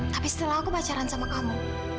tapi setelah aku pacaran sama kamu